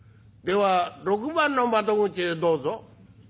「では６番の窓口へどうぞ」。